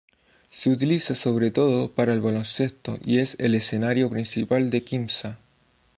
Se utiliza sobre todo para el baloncesto y es el escenario principal de Quimsa.